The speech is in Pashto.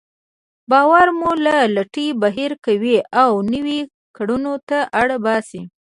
باور مو له لټۍ بهر کوي او نويو کړنو ته اړ باسي.